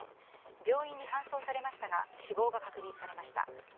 病院に搬送されましたが死亡が確認されました。